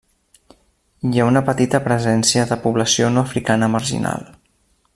Hi ha una petita presència de població no africana marginal.